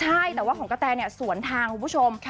ใช่แต่ว่าของกะแตสวนทางคุณผู้ชม